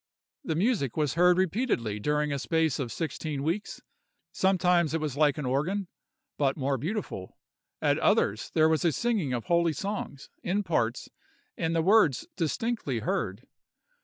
This music was heard repeatedly during a space of sixteen weeks: sometimes it was like an organ, but more beautiful; at others there was singing of holy songs, in parts, and the words distinctly heard.